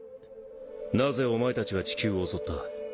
なぜお前たちは地球を襲った？